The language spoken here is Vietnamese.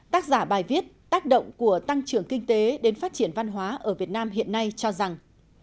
tác giả bài viết tác động của tăng trưởng kinh tế đến phát triển văn hóa ở việt nam hiện nay cho rằng